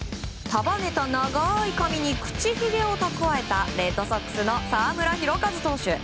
束ねた長い髪に口ひげを蓄えたレッドソックスの澤村拓一投手。